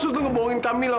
terima kasih mila